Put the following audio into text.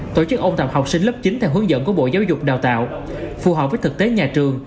tổ chức ôn tập học sinh lớp chín theo hướng dẫn của bộ giáo dục đào tạo phù hợp với thực tế nhà trường